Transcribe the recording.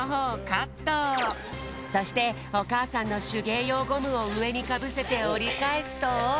そしておかあさんのしゅげいようゴムをうえにかぶせておりかえすと。